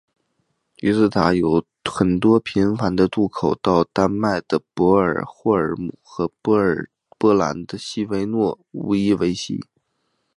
于斯塔德有很多频繁的渡口到丹麦的博恩霍尔姆和波兰的希维诺乌伊希切。